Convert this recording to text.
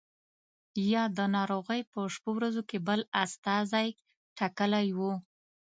یا د ناروغۍ په شپو ورځو کې بل استازی ټاکلی وو.